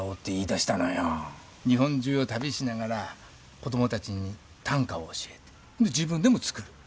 日本中を旅しながら子供たちに短歌を教えて自分でも作る。